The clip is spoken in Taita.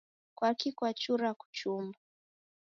Kwaki kwachura kuchumba?